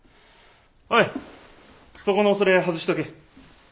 おいそこのそれ外しとけ。